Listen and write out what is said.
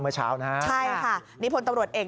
เมื่อเช้านะฮะใช่ค่ะนี่พลตำรวจเอก